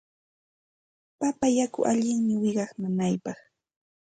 Papa yaku allinmi wiqaw nanaypaq.